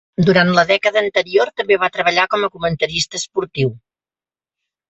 Durant la dècada anterior també va treballar com a comentarista esportiu.